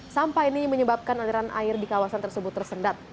sampah ini menyebabkan aliran air di kawasan tersebut tersendat